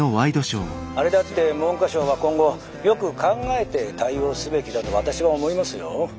あれだって文科省は今後よく考えて対応すべきだと私は思いますよ。